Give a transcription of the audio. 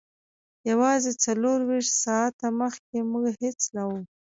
یوازې څلور ویشت ساعته مخکې موږ هیڅ نه وو